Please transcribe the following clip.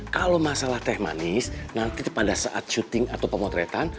kalau masalah teh manis nanti pada saat syuting atau pemotretan